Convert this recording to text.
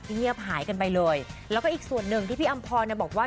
เงียบหายกันไปเลยแล้วก็อีกส่วนหนึ่งที่พี่อำพรเนี่ยบอกว่า